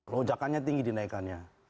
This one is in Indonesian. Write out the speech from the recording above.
lojakannya tinggi dinaikannya